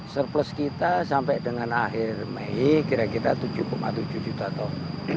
surplus kita sampai dengan akhir mei kira kira tujuh tujuh juta ton